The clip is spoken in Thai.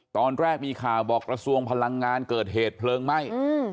ตอนแรกมีข่าวบอกกระทรวงพลังงานเกิดเหตุเพลิงไหม้